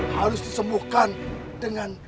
halus disembuhkan dengan